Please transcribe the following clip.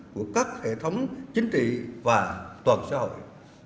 của các hệ thống chính trị và toàn xã hội